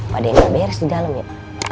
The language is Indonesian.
padahal nggak beres di dalam ya